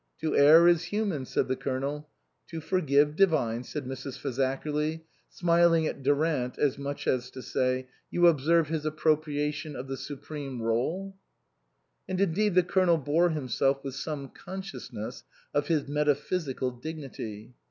"* To err is human,' " said the Colonel. "* To forgive divine,' " said Mrs. Fazakerly, smiling at Durant, as much as to say, " You observe his appropriation of the supreme rdle ?" And indeed the Colonel bore himself with some consciousness of his metaphysical dignity.